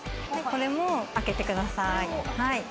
これも開けてください。